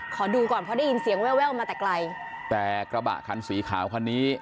ขอดูก่อนเพราะได้ยินเสียงแววแววมาแต่ไกลแต่กระบะคันสีขาวคันนี้